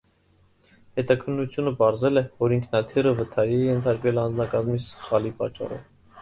Հետաքննությունը պարզել է, որ ինքնաթիռը վթարի է ենթարկվել անձնակազմի սխալի պատճառով։